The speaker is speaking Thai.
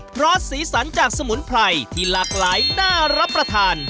เพราะสีสันจากสมุนไพรที่หลากหลายน่ารับประทาน